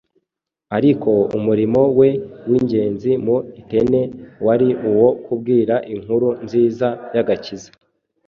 Ariko umurimo we w’ingenzi mu Atene wari uwo kubwira inkuru nziza y’agakiza